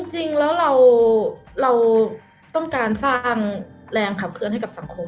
จริงแล้วเราต้องการสร้างอ้างแรงขับเคลื่อนให้กับสังคม